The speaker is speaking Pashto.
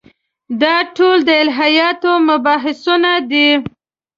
دا ټول د الهیاتو مبحثونه دي.